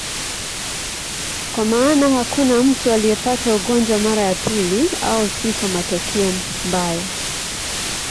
Kwa maana hakuna mtu aliyepata ugonjwa mara ya pili, au si kwa matokeo mbaya.